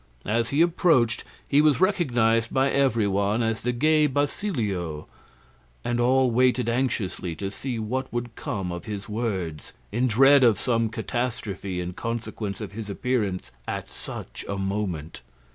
As he approached he was recognised by everyone as the gay Basilio, and all waited anxiously to see what would come of his words, in dread of some catastrophe in consequence of his appearance at such a moment.